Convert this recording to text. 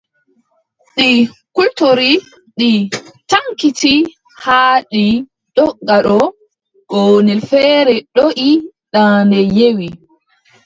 Ɗi kultori, ɗi caŋkiti, haa ɗi ndogga ɗo, gonnel feere doʼi, daande yewi.